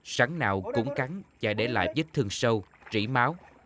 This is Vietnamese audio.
rắn nào cũng cắn chả để lại vết thương sâu trĩ máu